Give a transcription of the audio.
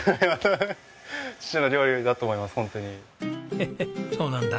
ヘヘッそうなんだ。